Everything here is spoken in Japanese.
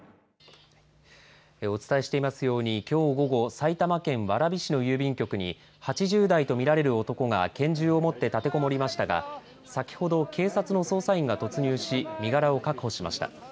お伝えしていますようにきょう午後、埼玉県蕨市の郵便局に８０代と見られる男が拳銃を持って立てこもりましたが先ほど警察の捜査員が突入し身柄を確保しました。